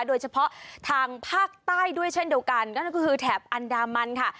โดยเฉพาะทางภาคใต้ด้วยเช่นเดียวกันนั่นก็คือแถบอันดามันค่ะ